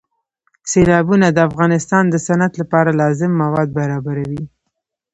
سیلابونه د افغانستان د صنعت لپاره لازم مواد برابروي.